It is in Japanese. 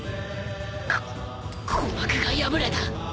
こ鼓膜が破れた！